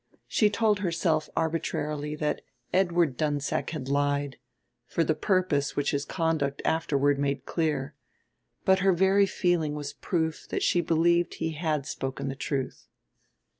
She told herself arbitrarily that Edward Dunsack had lied for the purpose which his conduct afterward made clear but her very feeling was proof that she believed he had spoken the truth.